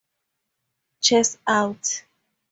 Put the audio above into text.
Chest out.